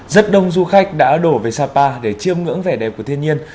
rất đông du khách đã đổ về sapa để chiêm ngưỡng vẻ đẹp của thiên nhiên